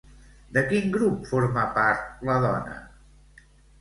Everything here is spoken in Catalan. De quin grup forma part la dona?